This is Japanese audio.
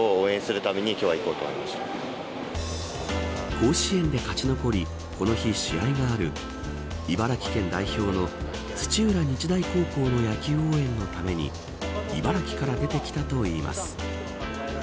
甲子園で勝ち残りこの日試合がある茨城県代表の土浦日大高校の野球応援のために茨城から出てきたといいます。